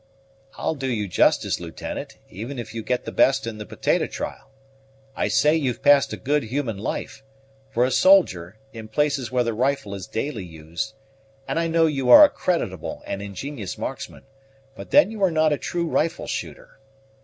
"I'll do you justice, Lieutenant, even if you get the best in the potato trial. I say you've passed a good human life, for a soldier, in places where the rifle is daily used, and I know you are a creditable and ingenious marksman; but then you are not a true rifle shooter.